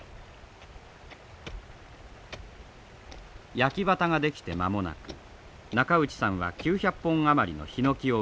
焼畑が出来て間もなく中内さんは９００本余りのヒノキを植えました。